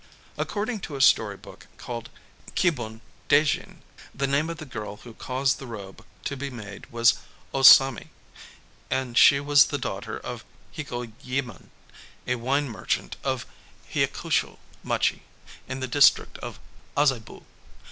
According to a story book called Kibun Daijin, the name of the girl who caused the robe to be made was O Samé; and she was the daughter of Hikoyemon, a wine merchant of Hyakushō machi, in the district of Azabu.